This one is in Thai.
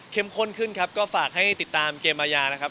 ข้นขึ้นครับก็ฝากให้ติดตามเกมอาญานะครับ